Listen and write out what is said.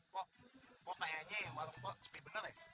pokoknya yang walaupun sepi bener ya